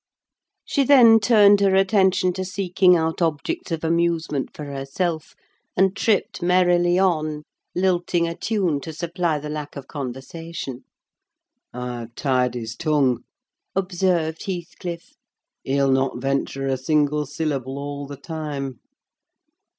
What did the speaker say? She then turned her attention to seeking out objects of amusement for herself, and tripped merrily on, lilting a tune to supply the lack of conversation. "I've tied his tongue," observed Heathcliff. "He'll not venture a single syllable all the time!